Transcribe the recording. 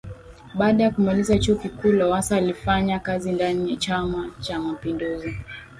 Baada ya kumaliza chuo kikuu Lowassa alifanya kazi ndani ya chama Cha mapinduzi